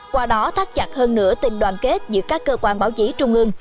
qua đó thắt chặt hơn nửa tình đoàn kết giữa các cơ quan báo chí trung ương